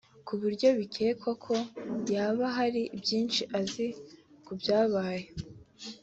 ku buryo bikekwa ko yaba hari byinshi azi ku byabaye